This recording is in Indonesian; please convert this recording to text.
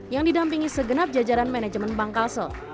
yang didampingi segenap jajaran manajemen bank kasel